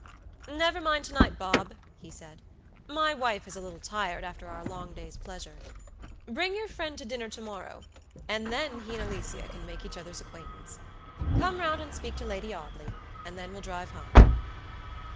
"Never mind to night, Bob," he said. "My wife is a little tired after our long day's pleasure. Bring your friend to dinner to morrow, and then he and Alicia can make each other's acquaintance. Come round and speak to Lady Audley, and then we'll drive home."